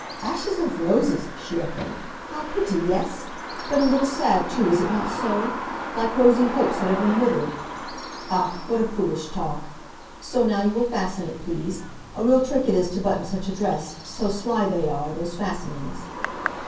"Ashes of roses!" she echoed. "How pretty, yes? But a little sad too, is it not so? Like rosy hopes that have been withered. Ach, what a foolish talk! So, now you will fasten it please. A real trick it is to button such a dress so sly they are, those fastenings."